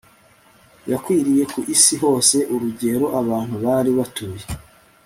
yakwiriye ku isi hose urugero abantu bari batuye